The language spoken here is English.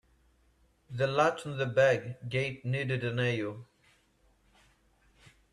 The latch on the back gate needed a nail.